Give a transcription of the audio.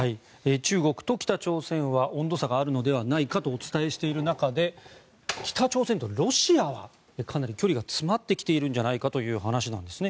中国と北朝鮮は温度差があるのではないかとお伝えしている中で北朝鮮とロシアはかなり距離が詰まってきているんじゃないかという話なんですね。